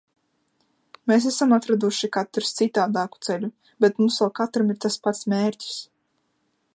Mēs esam atraduši katrs citādāku ceļu, bet mums vēl katram ir tas pats mērķis.